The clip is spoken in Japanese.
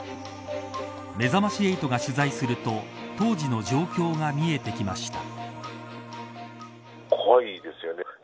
めざまし８が取材すると当時の状況が見えてきました。